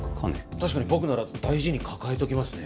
確かに僕なら大事に抱えときますね